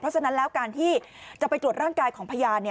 เพราะฉะนั้นแล้วการที่จะไปตรวจร่างกายของพยาน